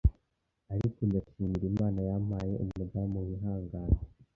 ariko ndashimira Imana yampaye umudamu wihangana